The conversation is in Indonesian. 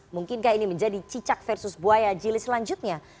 mungkinkah ini menjadi cicak versus buaya jilis selanjutnya